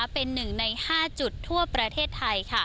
เป็น๑ใน๕จุดทั่วประเทศไทย